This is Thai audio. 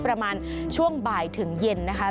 ประมาณช่วงบ่ายถึงเย็นนะคะ